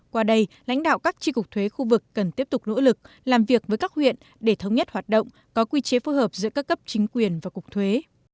qua đây lãnh đạo các tri cục thuế khu vực cần tiếp tục nỗ lực làm việc với các huyện để thống nhất hoạt động có quy chế phù hợp giữa các cấp chính quyền và cục thuế